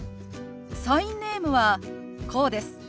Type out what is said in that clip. サインネームはこうです。